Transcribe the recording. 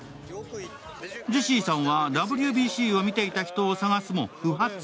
ジェシーさんはＷＢＣを見ていた人を探すも不発。